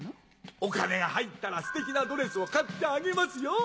お金が入ったらステキなドレスを買ってあげますよ。